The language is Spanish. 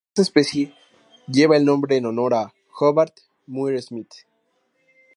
Esta especie lleva el nombre en honor a Hobart Muir Smith.